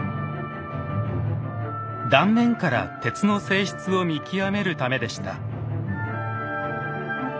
断面から鉄の性質を見極めるためでした。